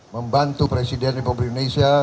membantu presiden republik indonesia